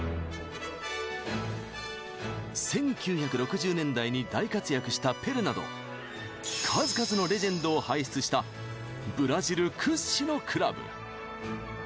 １９６０年代に大活躍したペレなど数々のレジェンドを輩出したブラジル屈指のクラブ。